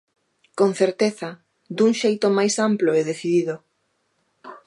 Con certeza, dun xeito máis amplo e decidido.